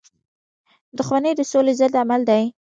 • دښمني د سولی ضد عمل دی.